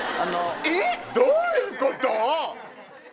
えっ⁉どういうこと⁉